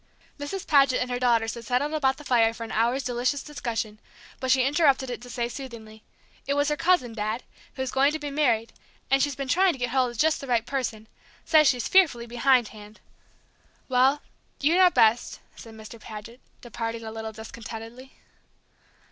Mrs. Paget and her daughters had settled about the fire for an hour's delicious discussion, but she interrupted it to say soothingly, "It was her cousin, Dad, who's going to be married, and she's been trying to get hold of just the right person she says she's fearfully behindhand " "Well, you know best," said Mr. Paget, departing a little discontentedly.